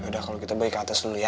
yaudah kalau gitu baik ke atas dulu ya